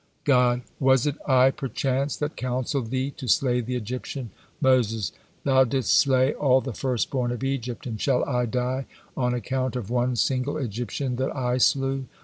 '" God: "Was it I perchance, that counseled thee to slay the Egyptian?" Moses: "Thou didst slay all the firstborn of Egypt, and shall I die on account of one single Egyptian that I slew?"